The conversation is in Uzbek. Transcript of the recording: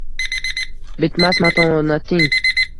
Bitmas matonating